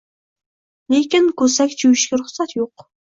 Lekin koʻsak chuvishga ruxsat yoʻq.